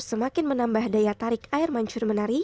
semakin menambah daya tarik air mancur menari